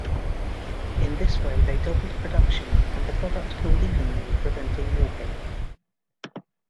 In this way they doubled production and the product cooled evenly preventing warping.